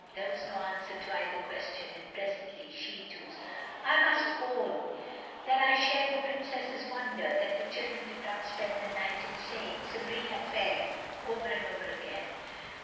There was no answer to either question, and presently she too slept. I must own that I share the Princess's wonder that the children did not spend the night in saying "Sabrina fair" over and over again.